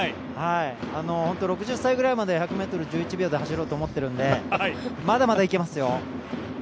６０歳くらいまで１００ｍ、１１秒で走ろうと思ってるんでまだまだいけますよ。